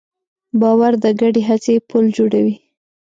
باور د ګډې هڅې پُل جوړوي.